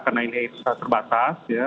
karena ini terbatas ya